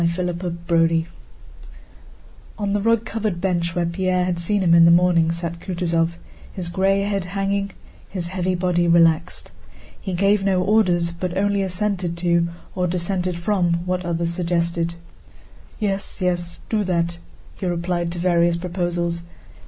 CHAPTER XXXV On the rug covered bench where Pierre had seen him in the morning sat Kutúzov, his gray head hanging, his heavy body relaxed. He gave no orders, but only assented to or dissented from what others suggested. "Yes, yes, do that," he replied to various proposals.